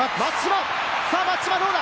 松島がどうだ？